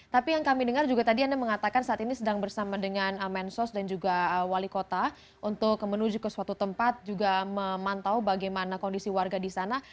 tapi yang kami dengar juga tadi anda mengatakan saat ini sedang bersama dengan mensos dan juga wali kota untuk menuju ke suatu tempat juga memantau bagaimana kondisi warga di sana